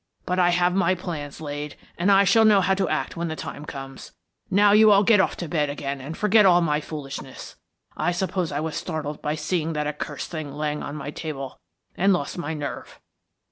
But I have my plans laid, and I shall know how to act when the times comes. Now you all get off to bed again and forget all my foolishness. I suppose I was startled by seeing that accursed thing lying on my table, and lost my nerve."